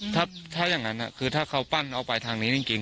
ถ้าอย่างนั้นคือถ้าเขาปั้นเอาไปทางนี้จริง